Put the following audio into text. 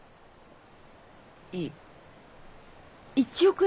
いっ１億円。